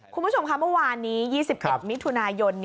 คุณผู้ชมค่ะเมื่อวานนี้๒๑มิถุนายน